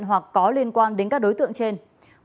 hoặc có liên quan đến các đối tượng trên bản khẩu thường trú